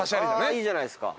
いいじゃないですか。